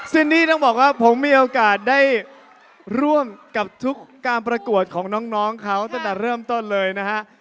นี่ต้องบอกว่าผมมีโอกาสได้ร่วมกับทุกการประกวดของน้องเขาตั้งแต่เริ่มต้นเลยนะฮะ